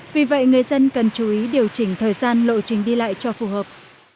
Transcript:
vì vậy người dân cần chú ý điều chỉnh thời gian lộ trình đi lại cho phù hợp